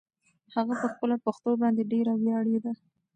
هغه په خپله پښتو باندې ډېره ویاړېده.